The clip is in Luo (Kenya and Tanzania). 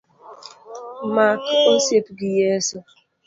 Mak osiep gi Yeso.